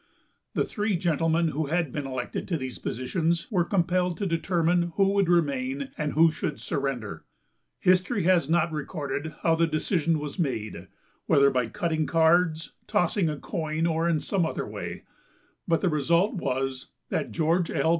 The three gentlemen who had been elected to these positions were compelled to determine who would remain and who should surrender. History has not recorded how the decision was made, whether by cutting cards, tossing a coin, or in some other way, but the result was that George L.